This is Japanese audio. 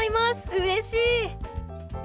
うれしい！